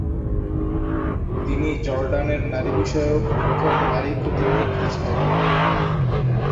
তিনি জর্ডান এর নারী বিষয়ক প্রথম নারী প্রতিমন্ত্রী ছিলেন।